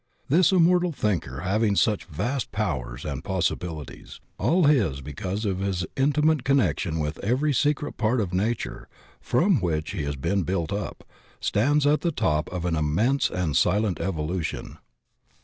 This immortal thinker having such vast powers and pos sibilities, all his because of his intimate connection with every secret part of Nature from which he has been built up, stands at the top of an immense and silent evolution.